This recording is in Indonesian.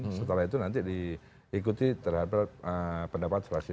setelah itu nanti diikuti terhadap pendapat fraksi